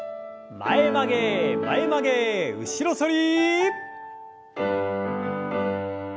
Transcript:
前曲げ前曲げ後ろ反り。